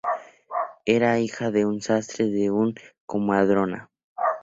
Era hija de un sastre y de una comadrona.